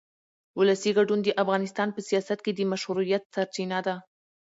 ولسي ګډون د افغانستان په سیاست کې د مشروعیت سرچینه ده